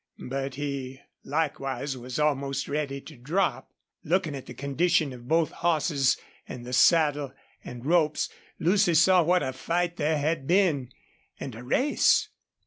But he, likewise, was almost ready to drop. Looking at the condition of both horses and the saddle and ropes, Lucy saw what a fight there had been, and a race!